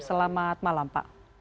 selamat malam pak